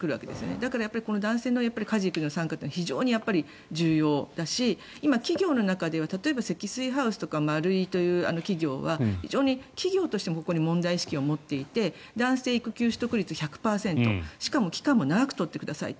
だから、男性の家事・育児の参加って非常に重要だし今、企業の中では積水ハウスとか丸井という企業は非常に企業としても問題意識を持っていて男性育休取得率１００％しかも期間も長く取ってくださいと。